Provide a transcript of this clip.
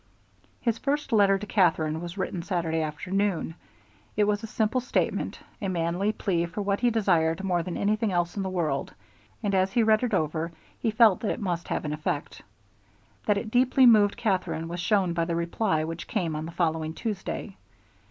His first letter to Katherine was written Saturday afternoon. It was a simple statement, a manly plea for what he desired more than anything else in the world, and as he read it over he felt that it must have an effect. That it deeply moved Katherine was shown by the reply which came on the following Tuesday.